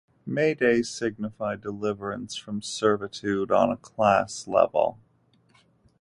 May Day signified deliverance from servitude on a class level.